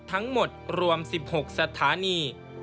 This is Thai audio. ทั้งหมดรวม๑๖สถานี